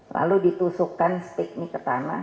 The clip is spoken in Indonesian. lalu ditusukkan steak ini ke tanah